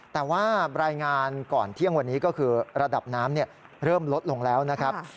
แต่ว่ารายงานก่อนเที่ยงวันนี้ก็คือระดับน้ำเริ่มลดลงแล้วนะครับ